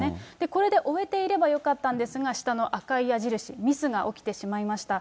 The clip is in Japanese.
これで終えていればよかったんですが、下の赤い矢印、ミスが起きてしまいました。